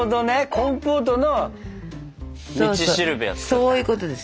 そういうことです。